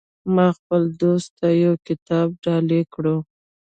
ما خپل دوست ته یو کتاب ډالۍ کړو